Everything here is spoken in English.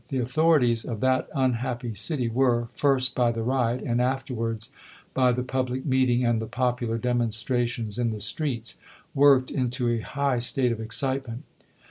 The authorities of ♦ that unhappy city were, first by the riot, and afterwards by the public meeting and the popular demonstrations in the streets, worked into a high state of excitement.